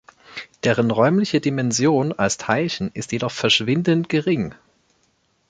Deren räumliche Dimension als Teilchen ist jedoch verschwindend gering.